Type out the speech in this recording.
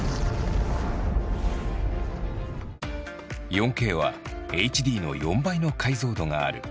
４ＫはＨＤの４倍の解像度がある。